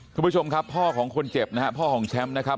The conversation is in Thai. คุณผู้ชมครับพ่อของคนเจ็บนะครับพ่อของแชมป์นะครับ